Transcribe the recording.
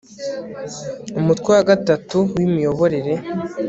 umutwe wa gatatu w imiyoborere